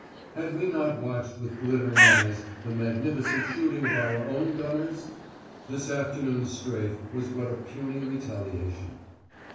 Had we not watched with glittering eyes the magnificent shooting of our own gunners? This afternoon's strafe was but a puny retaliation.